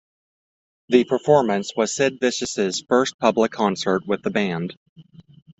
The performance was Sid Vicious' first public concert with the band.